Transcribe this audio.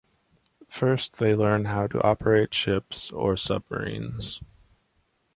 First, they learn how to operate ships or submarines.